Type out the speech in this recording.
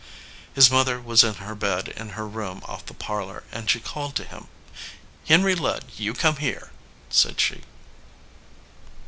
His mother was in her bed in her room off the parlor, and she called him. "Henry Ludd, you come here/ said she.